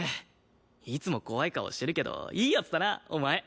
いつも怖い顔してるけどいい奴だなお前。